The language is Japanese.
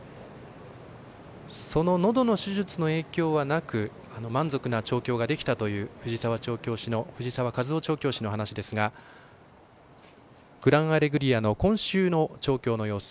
その、のどの手術の影響はなく満足な調教ができたという藤沢和雄調教師の話ですがグランアレグリアの今週の調教の様子